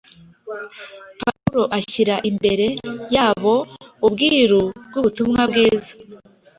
Pawulo ashyira imbere yabo “ubwiru bw’ubutumwa bwiza